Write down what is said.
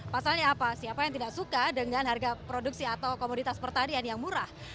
pasalnya apa siapa yang tidak suka dengan harga produksi atau komoditas pertanian yang murah